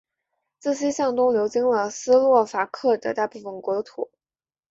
自西向东流经了斯洛伐克的大部分国土。